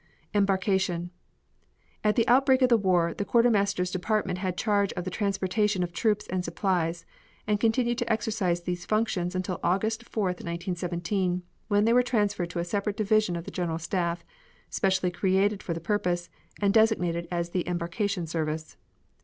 Embarkation. At the outbreak of the war the Quartermaster's Department had charge of the transportation of troops and supplies and continued to exercise these functions until August 4, 1917, when they were transferred to a separate division of the General Staff, specially created for the purpose, and designated as the Embarkation Service.